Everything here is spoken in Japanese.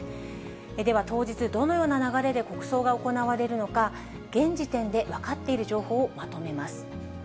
では、当日、どのような流れで国葬が行われるのか、現時点で分かっている情報をまとめます。